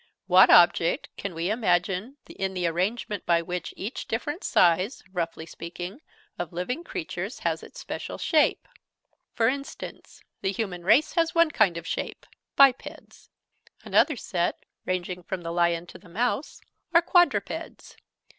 What object can we imagine in the arrangement by which each different size (roughly speaking) of living creatures has its special shape? For instance, the human race has one kind of shape bipeds. Another set, ranging from the lion to the mouse, are quadrupeds.